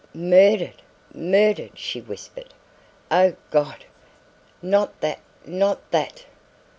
"Murdered! Murdered!" she whispered. "Oh, God! Not that, not that!"